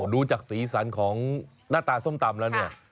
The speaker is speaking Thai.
ดูจากสีสันของหน้าตาส้มตำแล้วเนี่ย